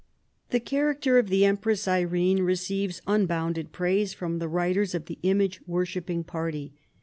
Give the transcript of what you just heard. The character of the Empress Irene receives unbounded praise from the writers of the image worshipping party.